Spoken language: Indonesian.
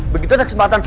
begitu aja kesempatan